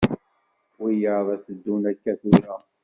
Wiyaḍ ad d-teddun akka tura.